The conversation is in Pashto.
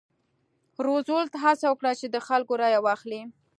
روزولټ هڅه وکړه چې د خلکو رایه واخلي.